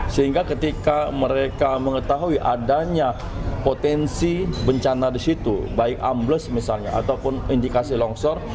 sehingga ketika mereka mengetahui adanya potensi bencana di situ baik ambles misalnya ataupun indikasi longsor